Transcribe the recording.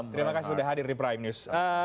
terima kasih sudah hadir di prime news